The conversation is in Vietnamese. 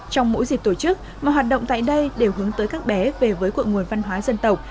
trong mỗi dịp tổ chức mọi hoạt động tại đây đều hướng tới các bé về với cội nguồn văn hóa dân tộc